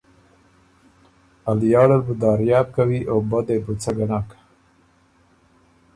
ا لیاړه ل بُو داریاب کوی او بۀ دې بو څۀ ګۀ نک